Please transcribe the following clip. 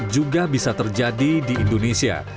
juga bisa terjadi di indonesia